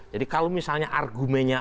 jadi kalau misalnya argumennya